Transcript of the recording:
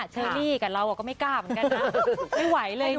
เชอรี่กับเราก็ไม่กล้าเหมือนกันนะไม่ไหวเลย